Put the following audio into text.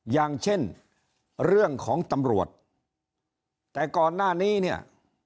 อย่างเช่นเรื่องของตำรวจแต่ก่อนหน้านี้เนี่ย